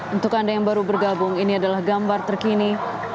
untuk anda yang baru bergabung ini adalah gambar terkini